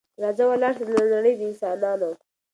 راځه ولاړ سه له نړۍ د انسانانو